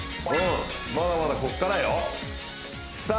まだまだこっからよさ